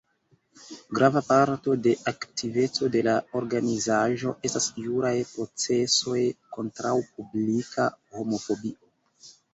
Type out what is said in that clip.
Grava parto de aktiveco de la organizaĵo estas juraj procesoj kontraŭ publika homofobio.